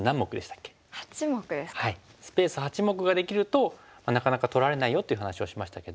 スペース８目ができるとなかなか取られないよという話はしましたけども。